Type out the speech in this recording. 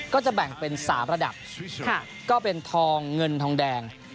ก็จะแบ่งเป็น๓ระดับก็เป็นทองเงินทองแดง